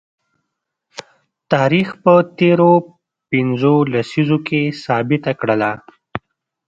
تاریخ په تیرو پنځو لسیزو کې ثابته کړله